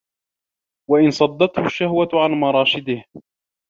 وَإِنْ صَدَّتْهُ الشَّهْوَةُ عَنْ مَرَاشِدِهِ